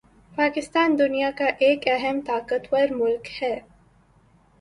پاکستان دنیا کا ایک اہم طاقتور ملک ہے